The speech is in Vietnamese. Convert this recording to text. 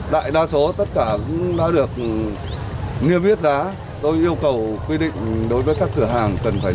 đại đa số tất cả cũng đã được niêm yết giá tôi yêu cầu quy định đối với các cửa hàng cần phải